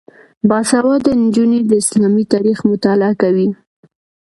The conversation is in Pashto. باسواده نجونې د اسلامي تاریخ مطالعه کوي.